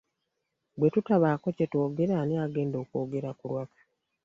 Bwetutabaako kyetwogera ani agenda okwogera ku lwaffe.